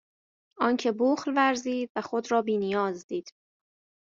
آنکه بخل ورزید و خود را بینیاز دید